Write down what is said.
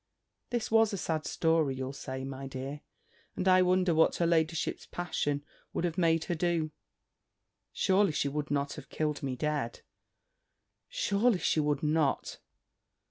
This was a sad story, you'll say, my dear: and I wonder what her ladyship's passion would have made her do! Surely she would not have killed me dead! Surely she would not!